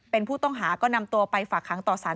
เป็นผู้ต้องหาก็นำตัวไปฝากหางต่อสาร